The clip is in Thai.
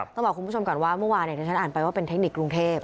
ต้องบอกคุณผู้ชมก่อนว่าเมื่อวานที่ฉันอ่านไปว่าเป็นเทคนิคกรุงเทพ